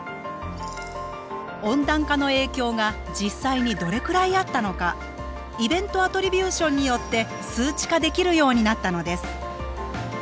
温暖化の影響が実際にどれくらいあったのかイベント・アトリビューションによって数値化できるようになったのです